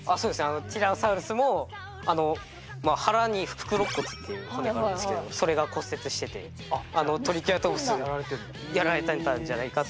ティラノサウルスも腹に腹肋骨っていう骨があるんですけどもそれが骨折しててトリケラトプスにやられてたんじゃないかって。